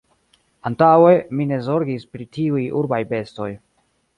Antaŭe, mi ne zorgis pri tiuj urbaj bestoj...